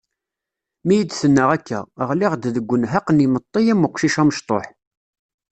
Mi yi-d-tenna akka, ɣliɣ-d deg nnheq n yimeṭṭi am uqcic amecṭuḥ.